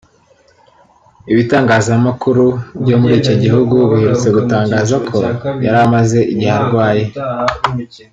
Ibitangazamakuru byo muri icyo gihugu biherutse gutangaza ko yari amaze igihe arwaye